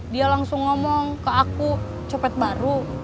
dia langsung ngomong ke aku copet baru